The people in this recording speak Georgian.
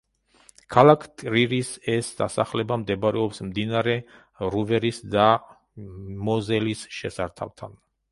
ქალაქ ტრირის ეს დასახლება მდებარეობს მდინარე რუვერის და მოზელის შესართავთან.